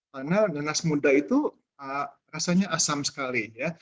karena nanas muda itu rasanya asam sekali ya